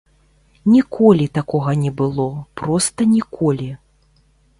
Ніколі такога не было, проста ніколі.